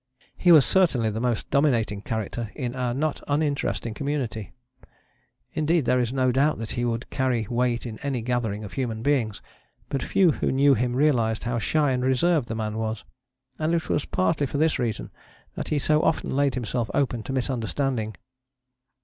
He was certainly the most dominating character in our not uninteresting community: indeed, there is no doubt that he would carry weight in any gathering of human beings. But few who knew him realized how shy and reserved the man was, and it was partly for this reason that he so often laid himself open to misunderstanding.